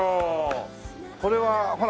これはほら。